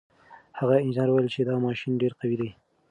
هغه انجنیر وویل چې دا ماشین ډېر قوي دی.